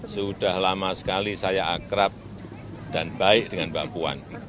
sudah lama sekali saya akrab dan baik dengan mbak puan